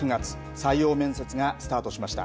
採用面接がスタートしました。